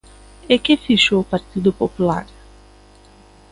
¿E que fixo o Partido Popular?